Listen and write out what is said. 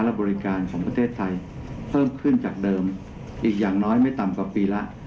และบริการของประเทศไทยเพิ่มขึ้นจากเดิมอีกอย่างน้อยไม่ต่ำกว่าปีแล้ว